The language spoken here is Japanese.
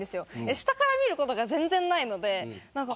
下から見ることが全然ないので。